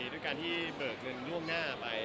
ด้วยการที่เบิกเงินล่วงหน้าไป